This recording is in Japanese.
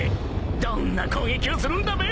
［どんな攻撃をするんだべ！？